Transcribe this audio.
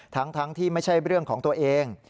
ทั้งที่ไม่ใช่เรื่องของตัวเอง